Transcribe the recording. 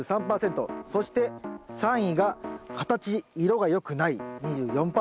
そして３位が「形色がよくない」２４％。